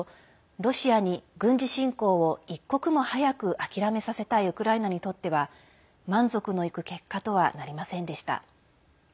ロシアに軍事侵攻を一刻も早く諦めさせたいウクライナにとっては満足のいく結果とはなりませんでした。